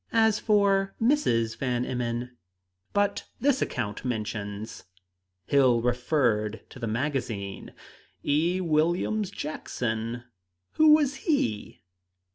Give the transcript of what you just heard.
As for Mrs. Van Emmon " "But this account mentions" Hill referred to the magazine "'E. Williams Jackson.' Who was he?"